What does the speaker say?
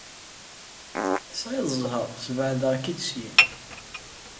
Tesɛiḍ ẓẓher ssbeɛdeɣ-k-id syin.